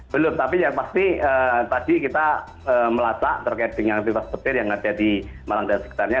belum tapi yang pasti tadi kita melatak terkait dengan aktivitas petir yang ada di malang dan sekitarnya